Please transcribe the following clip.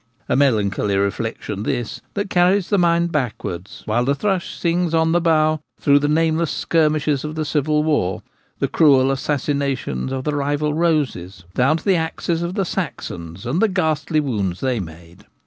A melancholy reflection this, that carries the mind backwards, while the thrush sings on the bough, through the nameless skirmishes of the Civil War, the cruel assassinations of the rival Roses, down to the axes of the Saxons and the ghastly wounds they made.